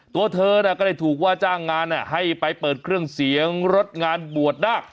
ตัวเธอก็ได้ถูกว่าจ้างงานให้ไปเปิดเครื่องเสียงรถงานบวชนาค